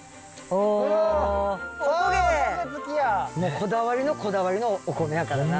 こだわりのこだわりのお米やからな。